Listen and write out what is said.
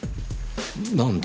何で？